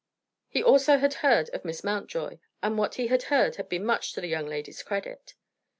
He also had heard of Miss Mountjoy, and what he had heard had been much to the "young lady's credit."